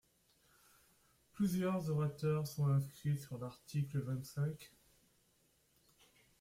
Plusieurs orateurs sont inscrits sur l’article vingt-cinq.